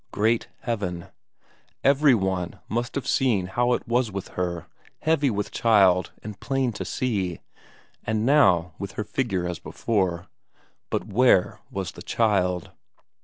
Great Heaven! every one must have seen how it was with her, heavy with child and plain to see and now with her figure as before but where was the child?